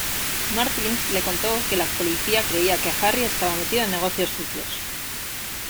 Martins le contó que la policía creía que Harry estaba metido en negocios sucios.